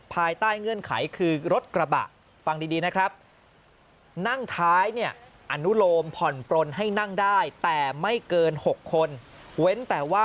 ภายใต้เงื่อนไขคือรถกระปะ